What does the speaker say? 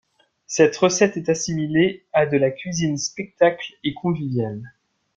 Cette recette est assimilée à de la cuisine spectacle et conviviale.